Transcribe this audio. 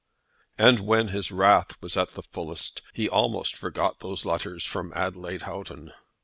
And when his wrath was at the fullest he almost forgot those letters from Adelaide Houghton!